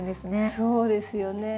そうですよね。